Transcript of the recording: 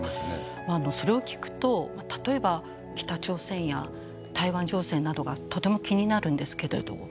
それを聞くと例えば北朝鮮や台湾情勢などがとても気になるんですけれど。